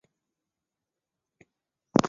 嘉靖十一年壬辰科进士。